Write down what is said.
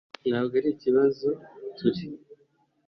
ntabwo ari ikibazo, turi